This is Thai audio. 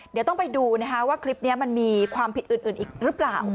เดี๋ยวต้องไปดูว่าคลิปนี้มันมีความผิดอื่นอีกหรือเปล่า